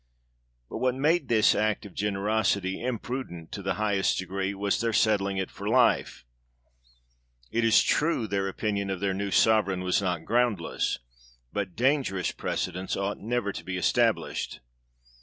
But what made this act of generosity imprudent to the highest degree, was their settling it for life ; it is true, their opinion of their new Sovereign was not groundless, but dangerous precedents ought never to be established.